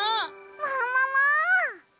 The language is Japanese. ももも！